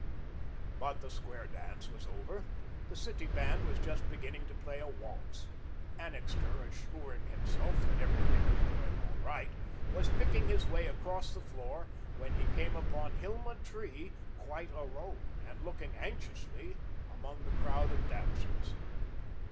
But the square dance was over. The City Band was just beginning to play a waltz. Annixter assuring himself that everything was going all right, was picking his way across the floor, when he came upon Hilma Tree quite alone, and looking anxiously among the crowd of dancers.